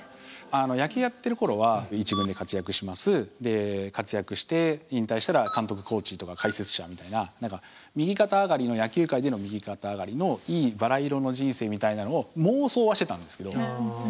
野球やってる頃は一軍で活躍しますで活躍して引退したら監督コーチとか解説者みたいな右肩上がりの野球界での右肩上がりのいいバラ色の人生みたいなのを妄想はしてたんですけど。